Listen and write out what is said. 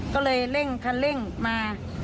ก็เลยเร่งคันเร่งมา